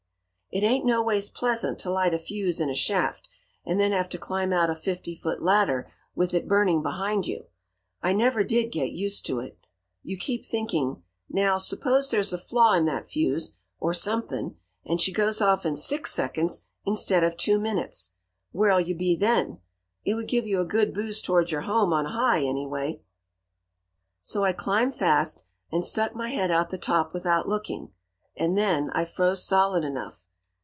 "It ain't noways pleasant to light a fuse in a shaft, and then have to climb out a fifty foot ladder, with it burning behind you. I never did get used to it. You keep thinking, 'Now, suppose there's a flaw in that fuse, or something, and she goes off in six seconds instead of two minutes? Where'll you be then?' It would give you a good boost towards your home on high, anyway. "So I climbed fast, and stuck my head out the top without looking and then I froze solid enough.